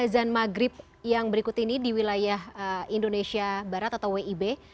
dan maghrib yang berikut ini di wilayah indonesia barat atau wib